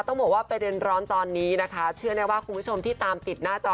ต้องบอกว่าประเด็นร้อนตอนนี้นะคะเชื่อแน่ว่าคุณผู้ชมที่ตามติดหน้าจอ